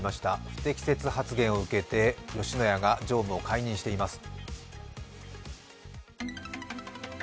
不適切発言を受けて吉野家が常務を解任しています。